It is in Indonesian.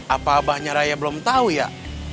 apa abahnya raya belum tahu ya